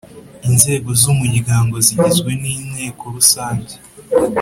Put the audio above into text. Inzego z Umuryango zigizwe ni Inteko Rusange